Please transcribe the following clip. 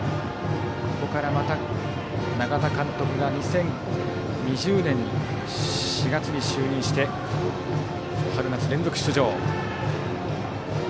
ここからまた永田監督が２０２０年の４月に就任して春夏連続出場。